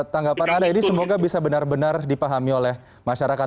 tanggapan anda ini semoga bisa benar benar dipahami oleh masyarakat